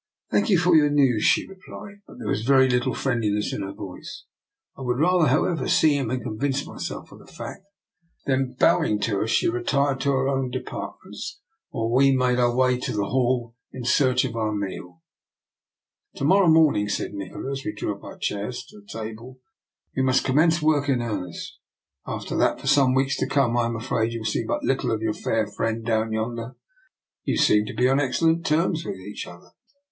" I thank you for your news," she replied; but there was very little friendliness in her voice. " I would rather, however, see him and convince myself of the fact." Then, bow ing to us, she retired into her own apartments, while we made our way to the hall in search of our meal. " To morrow morning," said Nikola, as \ DR. NIKOLA'S EXPERIMENT. 183 we drew our chairs up to the table, " we must commence work in earnest. After that for some weeks to come I am afraid you will see but little of your fair friend down yonder. You seem to be on excellent terms with each other."